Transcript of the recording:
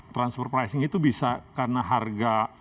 transfer pricing itu bisa karena harga